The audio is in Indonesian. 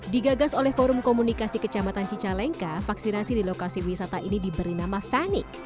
digagas oleh forum komunikasi kecamatan cicalengka vaksinasi di lokasi wisata ini diberi nama fanic